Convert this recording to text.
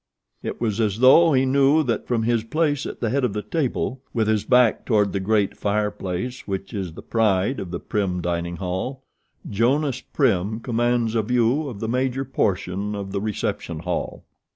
It was as though he knew that from his place at the head of the table, with his back toward the great fire place which is the pride of the Prim dining hall, Jonas Prim commands a view of the major portion of the reception hall.